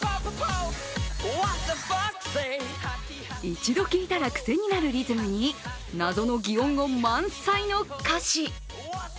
一度聴いたら癖になるリズムに謎の擬音語満載の歌詞。